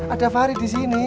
ada farid di sini